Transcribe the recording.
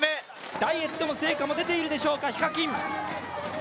ダイエットの成果も出ているでしょうか、ＨＩＫＡＫＩＮ。